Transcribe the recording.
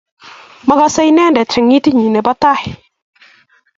Magase inendet eng itit nenyi nebo tai